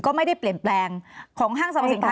ก็ไม่ได้เปลี่ยนแปลงของห้างสรรพสินค้า